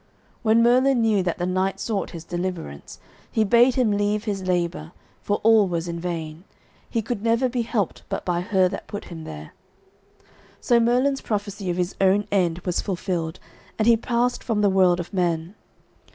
When Merlin knew that the knight sought his deliverance, he bade him leave his labour, for all was in vain. He could never be helped but by her that put him there. So Merlin's prophecy of his own end was fulfilled, and he passed from the world of men.